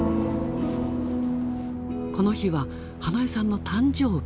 この日は英恵さんの誕生日。